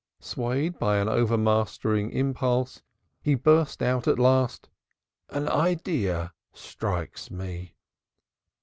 Swayed by an overmastering impulse he burst out at last. "An idea strikes me!"